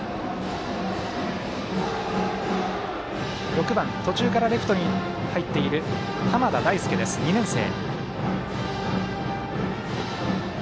６番、途中からレフトに入っている濱田大輔です、２年生。